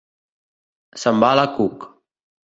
S'embala Cook—.